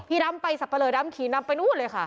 พี่ดำไปสัปเปรย์ดำขีดดำไปนู่นเลยค่ะ